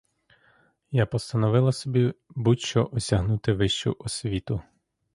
Я постановила собі будь-що осягнути вищу освіту.